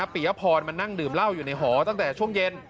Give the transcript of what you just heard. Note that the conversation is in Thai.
ปียพรมานั่งดื่มเหล้าอยู่ในหอตั้งแต่ช่วงเย็น